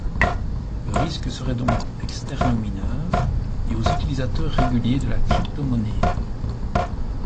Le risque serait donc externe aux mineurs et aux utilisateurs réguliers de la crypto-monnaie.